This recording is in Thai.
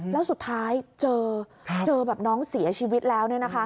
แล้วสุดท้ายเจอแบบน้องเสียชีวิตแล้ว